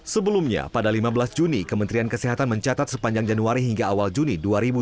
sebelumnya pada lima belas juni kementerian kesehatan mencatat sepanjang januari hingga awal juni dua ribu dua puluh